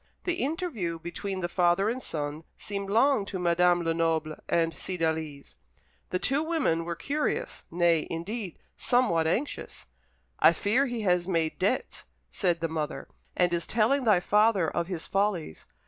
The interview between the father and son seemed long to Madame Lenoble and Cydalise. The two women were curious nay, indeed, somewhat anxious. "I fear he has made debts," said the mother, "and is telling thy father of his follies.